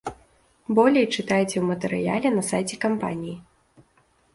Болей чытайце ў матэрыяле на сайце кампаніі.